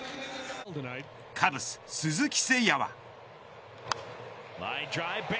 カブス鈴木誠也は。